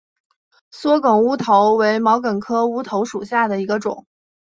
缩梗乌头为毛茛科乌头属下的一个种。